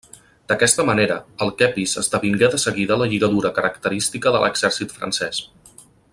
D'aquesta manera, el quepis esdevingué de seguida la lligadura característica de l'exèrcit francès.